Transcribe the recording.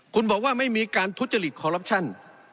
คุณบอกว่าไม่มีการทุจริตคอรัปชั่น